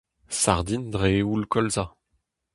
Sardin dre eoul kolza.